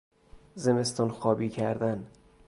زمستانخوابی کردن